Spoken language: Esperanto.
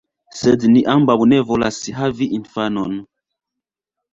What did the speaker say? Sed ni ambaŭ ne volas havi infanon.